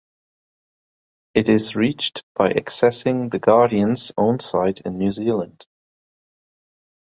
It is reached by accessing "The Guardian"s own site in New Zealand.